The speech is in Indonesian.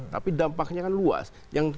tapi dampaknya kan luas